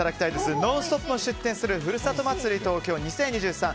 「ノンストップ！」も出店する「ふるさと祭り東京２０２３」。